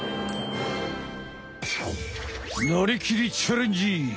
なりきりチャレンジ！